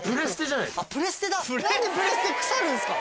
プレステだ！